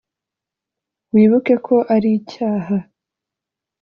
Wibuke ko ari icyaha